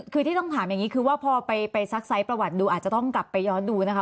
คือที่ต้องถามอย่างนี้คือว่าพอไปซักไซส์ประวัติดูอาจจะต้องกลับไปย้อนดูนะคะ